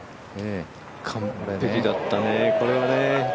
完璧だったね、これはね。